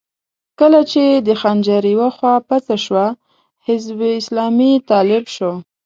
کله چې د خنجر يوه خوا پڅه شوه، حزب اسلامي طالب شو.